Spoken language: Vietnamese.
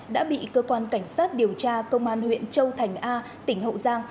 đã bị cơ quan cảnh sát điều tra công an huyện châu thành a tỉnh hậu giang